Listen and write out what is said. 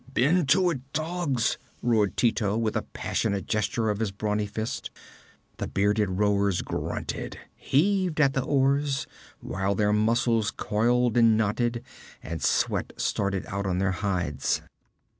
'Bend to it, dogs!' roared Tito with a passionate gesture of his brawny fist. The bearded rowers grunted, heaved at the oars, while their muscles coiled and knotted, and sweat started out on their hides.